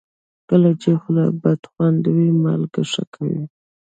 کله چې خوله بدخوند وي، مالګه ښه کوي.